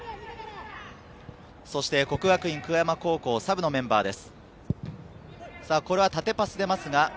國學院久我山高校、サブのメンバーです。